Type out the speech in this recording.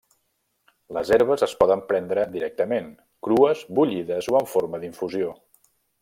Les herbes es poden prendre directament, crues, bullides o en forma d'infusió.